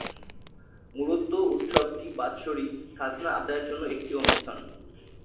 মূলত উৎসবটি বাৎসরিক খাজনা আদায়ের জন্য একটি অনুষ্ঠান।